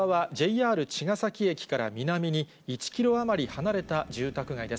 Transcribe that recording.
現場はＪＲ茅ケ崎駅から南に１キロ余り離れた住宅街です。